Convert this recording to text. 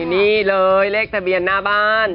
นี่เลยเลขทะเบียนหน้าบ้าน